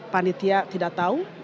panitia tidak tahu